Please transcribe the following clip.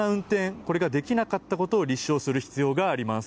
これができなかったことを立証する必要があります。